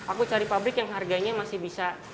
aku cari pabrik yang harganya masih bisa